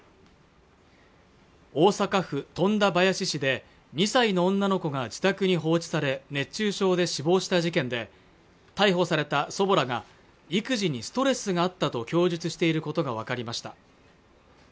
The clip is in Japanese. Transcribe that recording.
大阪府富田林市で２歳の女の子が自宅に放置され熱中症で死亡した事件で逮捕された祖母らが育児にストレスがあったと供述していることが分かりました